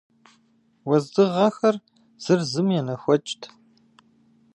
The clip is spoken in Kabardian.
Уэздыгъэхэр зыр зым енэхуэкӏт.